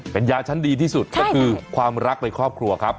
เป็นยาชั้นดีที่สุดก็คือความรักในครอบครัวครับ